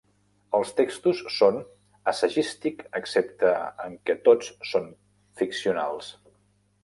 Els textos són assagístic, excepte en què tots són ficcionals.